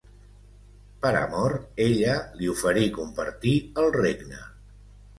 Per amor, ella li oferí compartir el regne.